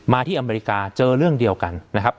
ที่อเมริกาเจอเรื่องเดียวกันนะครับ